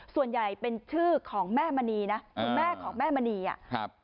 ส่วนใหญ่เป็นชื่อของแม่มณีนะคือแม่ของแม่มณีอ่ะครับ